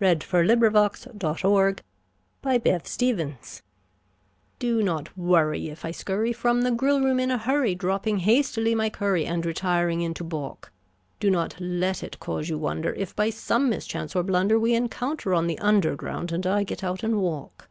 CUPID'S DARTS (Which are a growing menace to the public) Do not worry if I scurry from the grill room in a hurry, Dropping hastily my curry and re tiring into balk ; Do not let it cause you wonder if, by some mischance or blunder, We encounter on the Underground and I get out and walk.